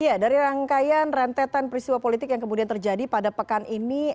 iya dari rangkaian rentetan peristiwa politik yang kemudian terjadi pada pekan ini